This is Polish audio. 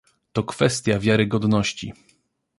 To kwestia wiarygodności